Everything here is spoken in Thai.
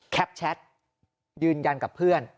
แชทยืนยันกับเพื่อน